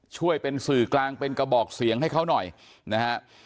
ช่วยเป็นสื่อกลางเป็นกระบอกเสียงให้เขาหน่อยนะฮะ